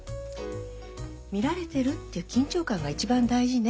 見られてるっていう緊張感が一番大事ね